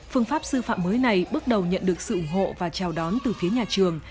phương pháp sư phạm mới này bước đầu nhận được sự ủng hộ và chào đón từ phía nhà trường